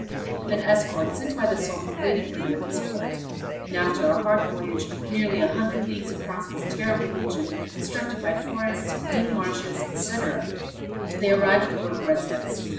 An escort sent by the Sultan waited for them at this port, and after a hard voyage nearly a hundred leagues across this terrible region, obstructed by forests, deep marshes, etc., they arrived at the royal residence.